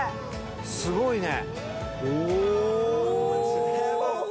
すごいね！